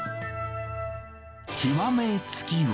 極め付きは。